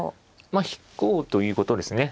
まあ引こうということですね。